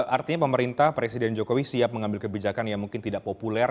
artinya pemerintah presiden jokowi siap mengambil kebijakan yang mungkin tidak populer